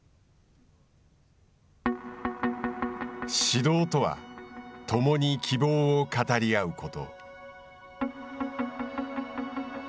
指導とはともに希望を語り合うこと。